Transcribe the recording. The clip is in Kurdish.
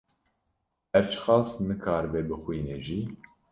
her çiqas nikaribe bixwîne jî